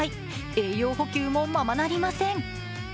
栄養補給もままなりません。